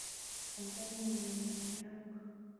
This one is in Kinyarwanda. ubwo ni ubumenyi nyabwo